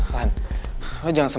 tapi lebih tada